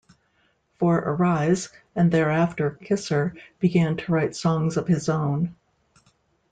For Arise and thereafter Kisser began to write songs of his own.